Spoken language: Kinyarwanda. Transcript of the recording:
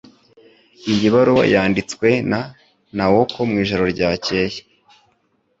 Iyi baruwa yanditswe na Naoko mwijoro ryakeye